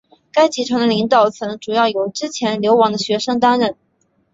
该集团的领导层主要由之前流亡的学生担任。